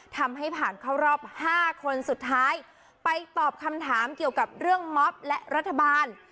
ทำให้ผ่านเข้ารอบ๕คนสุดท้ายไปตอบคำถามเกี่ยวกับเรื่องม็อบและรัฐบาล